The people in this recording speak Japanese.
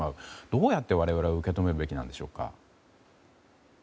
どうやって我々は受け止めるべきなんでしょうか。